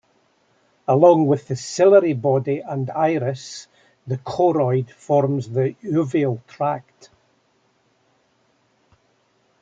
Along with the ciliary body and iris, the choroid forms the uveal tract.